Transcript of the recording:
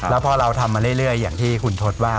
แล้วพอเราทำมาเรื่อยอย่างที่คุณทศว่า